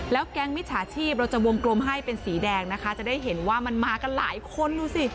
แก๊งมิจฉาชีพเราจะวงกลมให้เป็นสีแดงนะคะจะได้เห็นว่ามันมากันหลายคนดูสิ